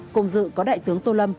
cùng dự có đại tướng tô lâm